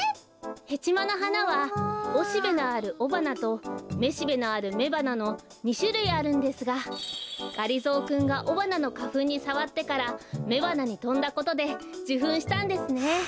ヘチマのはなはおしべのあるおばなとめしべのあるめばなの２しゅるいあるんですががりぞーくんがおばなのかふんにさわってからめばなにとんだことでじゅふんしたんですね！